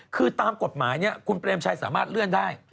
คือตามกฎหมายคุณเปรมชัยสามารถเลื่อนได้